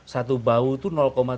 satu bau itu nol kompetensi